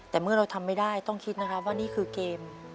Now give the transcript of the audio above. แต่เมื่อเราทำไม่ได้ต้องคิดนะครับว่านี่คือเกม